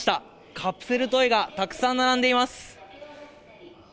カプセルトイがたくさん並んでいます。